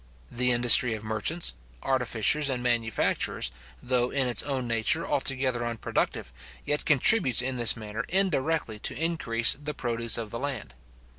The industry of merchants, artificers, and manufacturers, though in its own nature altogether unproductive, yet contributes in this manner indirectly to increase the produce of the land.